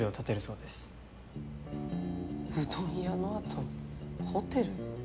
うどん屋のあとにホテル？